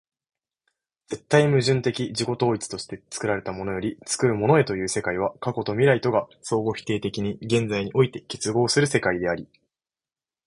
絶対矛盾的自己同一として作られたものより作るものへという世界は、過去と未来とが相互否定的に現在において結合する世界であり、